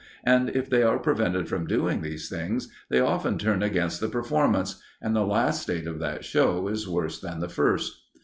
And if they are prevented from doing these things, they often turn against the performance, and the last state of that show is worse than the first.